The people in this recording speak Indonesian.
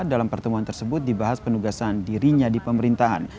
dalam pertemuan tersebut dibahas penugasan dirinya di pemerintahan